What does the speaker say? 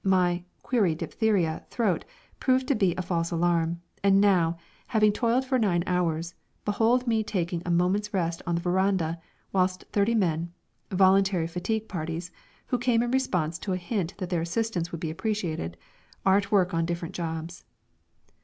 My "Query Diphtheria" throat proved to be a false alarm, and now, having toiled for nine hours, behold me taking a moment's rest on the veranda, whilst thirty men voluntary fatigue parties, who came in response to a hint that their assistance would be appreciated are at work on different jobs.